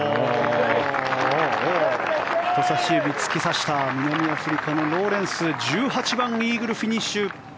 人差し指を突きさした南アフリカのローレンス１８番をイーグルフィニッシュ。